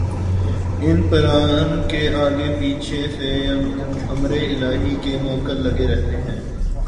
ان پران کے آگے پیچھے سے امرِالٰہی کے مؤکل لگے رہتے ہیں